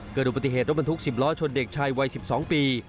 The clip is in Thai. เกิดอุบัติเหตุรถบรรทุก๑๐ล้อชนเด็กชายวัย๑๒ปี